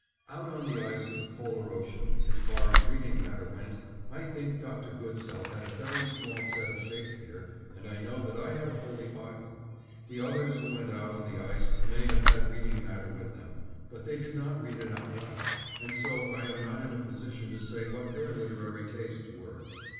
Out on the ice of the Polar ocean, as far as reading matter went, I think Dr. Goodsell had a very small set of Shakespeare, and I know that I had a Holy Bible. The others who went out on the ice may have had reading matter with them, but they did not read it out loud, and so I am not in a position to say what their literary tastes were.